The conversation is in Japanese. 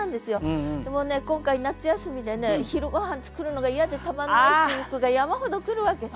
もうね今回夏休みでね昼ごはん作るのが嫌でたまんないっていう句が山ほど来るわけさ。